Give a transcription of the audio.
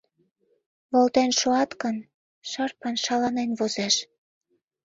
Волтен шуат гын, шырпын шаланен возеш.